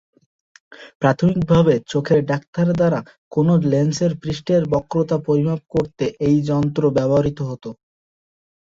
প্রাথমিকভাবে, চোখের ডাক্তার দ্বারা কোনো লেন্সের পৃষ্ঠের বক্রতা পরিমাপ করতে এই যন্ত্র ব্যবহৃত হত।